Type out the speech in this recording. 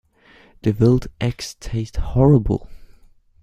Devilled eggs taste horrible.